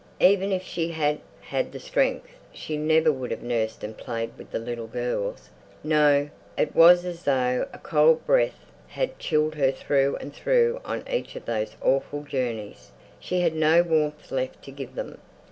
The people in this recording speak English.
Even if she had had the strength she never would have nursed and played with the little girls. No, it was as though a cold breath had chilled her through and through on each of those awful journeys; she had no warmth left to give them.